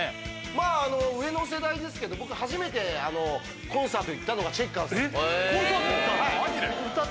まああの上の世代ですけど僕初めてコンサート行ったのがチェッカーズだったんですえっ